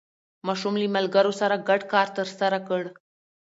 ماشوم له ملګرو سره ګډ کار ترسره کړ